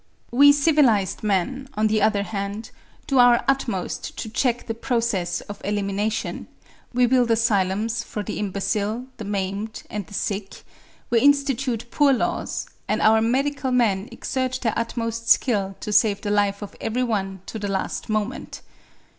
We civilised men, on the other hand, do our utmost to check the process of elimination; we build asylums for the imbecile, the maimed, and the sick; we institute poor laws; and our medical men exert their utmost skill to save the life of every one to the last moment.